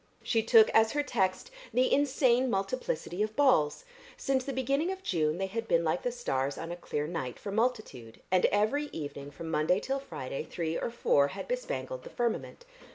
She took as her text the insane multiplicity of balls; since the beginning of June they had been like the stars on a clear night for multitude, and every evening from Monday till Friday three or four had bespangled the firmament.